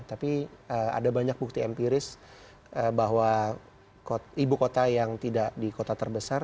tapi ada banyak bukti empiris bahwa ibu kota yang tidak di kota terbesar